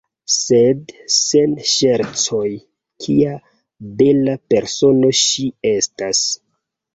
Sed sen ŝercoj, kia bela persono ŝi estas!